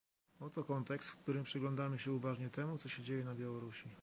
Oto kontekst, w którym przyglądamy się uważnie temu, co się dzieje na Białorusi